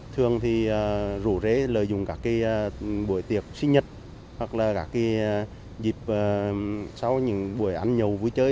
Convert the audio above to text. thường thì rủ rễ lợi dụng các cái buổi tiệc sinh nhật hoặc là các cái dịp sau những buổi ăn nhầu vui chơi